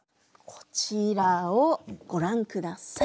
こちらをご覧下さい。